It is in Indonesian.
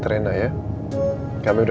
tidak ada yang bisa dikira